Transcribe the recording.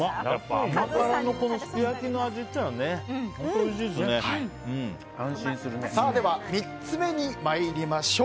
甘辛のすき焼きの味ってでは３つ目に参りましょう。